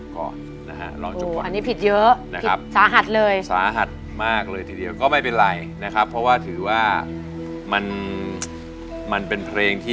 ขอทำสักคำยังคุ้นข้อง